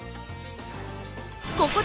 ここで！